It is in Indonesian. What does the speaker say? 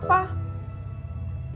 ibu kan udah baik kan sama mbak issa